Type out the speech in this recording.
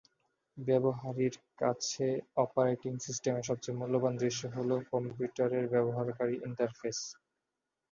ব্যবহারকারীর কাছে অপারেটিং সিস্টেমের সবচেয়ে দৃশ্যমান রূপ হল কম্পিউটারের ব্যবহারকারী ইন্টারফেস।